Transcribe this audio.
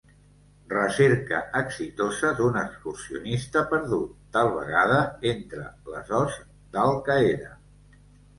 Recerca exitosa d'un excursionista perdut, tal vegada entre les hosts d'Al Qaeda.